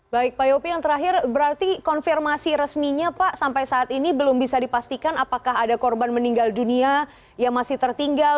baik pak yopi yang terakhir berarti konfirmasi resminya pak sampai saat ini belum bisa dipastikan apakah ada korban meninggal dunia yang masih tertinggal